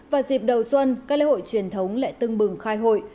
và dịp đầu xuân các lễ hội truyền thống lại tưng bừng khai hội